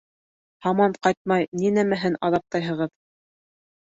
— Һаман ҡайтмай ни нәмәһен аҙаптайһығыҙ?